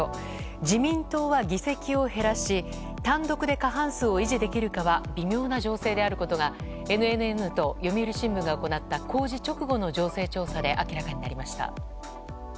自民党は議席を減らし単独で過半数を維持できるかは微妙な情勢であることがＮＮＮと読売新聞が行った公示直後の情勢調査で明らかになりました。